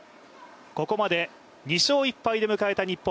ここまで２勝１敗で迎えた日本。